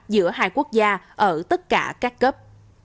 giữa hai quốc gia ở tất cả các cấp